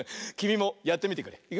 きみもやってみてくれ。